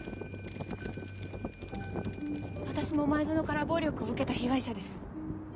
私も前薗から暴力を受けた被害者です。